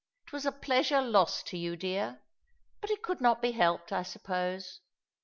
It was a pleasure lost to you, dear; but it could not be helped, I suppose.